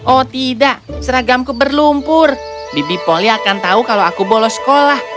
oh tidak seragamku berlumpur bibi polly akan tahu kalau aku bolos sekolah